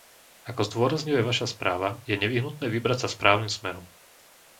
Ako zdôrazňuje vaša správa, je nevyhnutné vybrať sa správnym smerom.